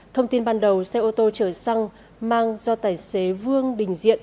thông tin ban đầu xe ô tô chở xăng mang do tài xế vương đình diện